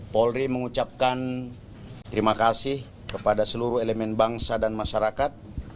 polri mengucapkan terima kasih kepada seluruh elemen bangsa dan masyarakat